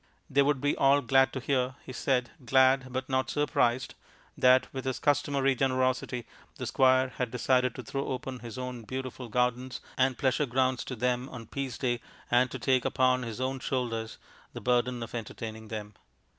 They would be all glad to hear, he said, glad but not surprised, that with his customary generosity the Squire had decided to throw open his own beautiful gardens and pleasure grounds to them on Peace Day and to take upon his own shoulders the burden of entertaining them.